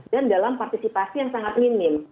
dan dalam partisipasi yang sangat minim